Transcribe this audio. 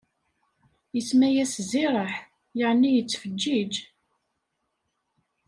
Isemma-yas Ziraḥ, yeɛni yettfeǧǧiǧ.